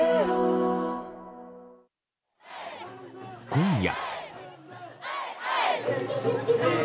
今夜。